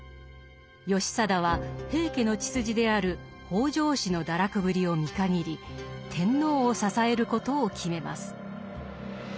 義貞は平家の血筋である北条氏の堕落ぶりを見限り天皇を支えることを決めます。